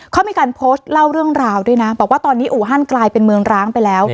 เขามีการโพสต์เล่าเรื่องราวด้วยนะบอกว่าตอนนี้อู่ฮั่นกลายเป็นเมืองร้างไปแล้ว